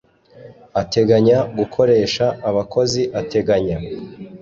ateganya gukoresha abakozi ateganya